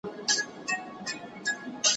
زه اجازه لرم چي جواب ورکړم!.